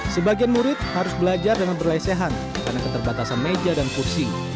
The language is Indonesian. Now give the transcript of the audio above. sebagian murid harus belajar dengan berlesehan karena keterbatasan meja dan kursi